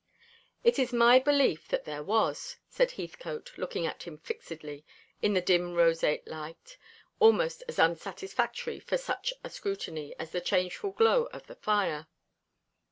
"It is my belief that there was," said Heathcote, looking at him fixedly in the dim roseate light, almost as unsatisfactory for such a scrutiny as the changeful glow of the fire.